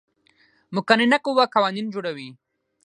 مقننه قوه قوانین جوړوي